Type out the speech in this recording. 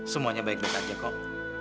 semuanya baik baik saja kok